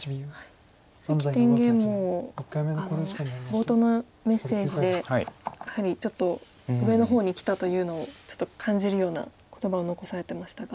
関天元も冒頭のメッセージでやはりちょっと上の方にきたというのを感じるような言葉を残されてましたが。